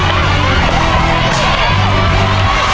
ภายในเวลา๓นาที